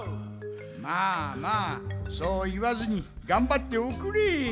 まあまあそういわずにがんばっておくれ。